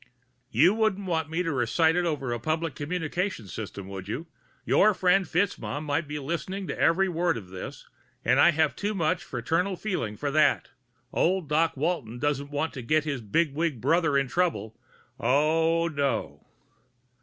"You wouldn't want me to recite it over a public communications system, would you? Your friend FitzMaugham might be listening to every word of this, and I have too much fraternal feeling for that. Ole Doc Walton doesn't want to get his bigwig big brother in trouble oh, no!"